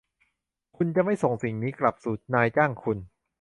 คุณจะไม่ส่งสิ่งนี้กลับสู่นายจ้างคุณ ?